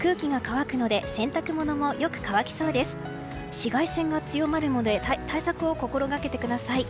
紫外線が強まるので対策を心がけてください。